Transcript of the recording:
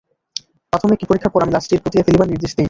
প্রথামিক পরীক্ষার পর আমি লাশটির পুঁতিয়া ফেলিবার নির্দেশ দেই।